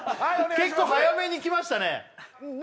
結構早めにきましたね